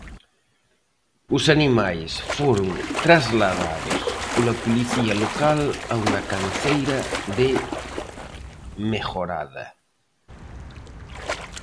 Os animais foron trasladados pola policía local a unha canceira de Mejorada.